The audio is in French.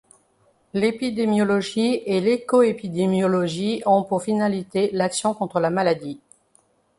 L’épidémiologie et l’éco-épidémiologie ont pour finalité l’action contre la maladie.